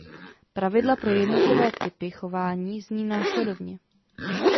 Pravidla pro jednotlivé typy chování zní následovně.